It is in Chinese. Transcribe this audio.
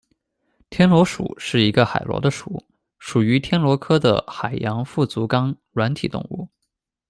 天螺属是一个海螺的属，属于天螺科的海洋腹足纲软体动物。